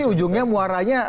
tapi ujungnya muaranya